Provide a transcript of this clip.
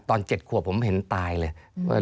ตอนเจ็ดครบผมเห็นตายเลย